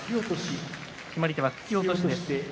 決まり手は、突き落としです。